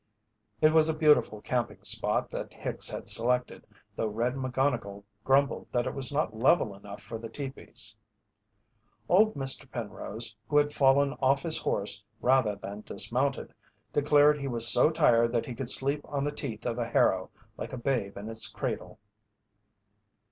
It was a beautiful camping spot that Hicks had selected, though "Red" McGonnigle grumbled that it was not level enough for the teepees. Old Mr. Penrose, who had fallen off his horse rather than dismounted, declared he was so tired that he could sleep on the teeth of a harrow, like a babe in its cradle.